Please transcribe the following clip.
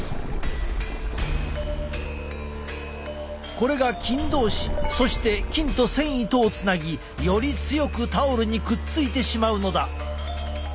これが菌同士そして菌と繊維とをつなぎより強くタオルにくっついてしまうのだ。